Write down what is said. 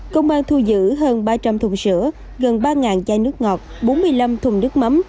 công an thu giữ hơn ba trăm linh thùng sữa gần ba chai nước ngọt bốn mươi năm thùng nước mắm